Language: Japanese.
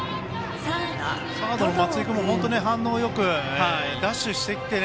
サードの松井君も本当に反応よくダッシュしてきて。